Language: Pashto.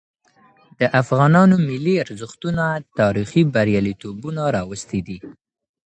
د افغانانو ملي ارزښتونه تاريخي برياليتوبونه راوستي دي.